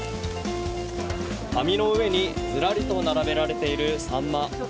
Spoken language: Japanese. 網の上にずらりと並べられているサンマ。